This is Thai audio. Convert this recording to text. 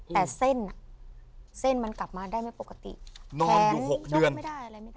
แต่เส้นอ่ะเส้นมันกลับมาได้ไม่ปกตินอนอยู่หกเดือนแขนยกไม่ได้อะไรไม่ได้